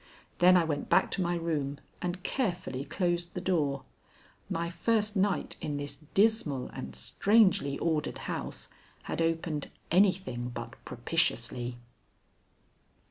Then I went back to my room and carefully closed the door. My first night in this dismal and strangely ordered house had opened anything but propitiously.